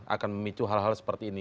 akan memicu hal hal seperti ini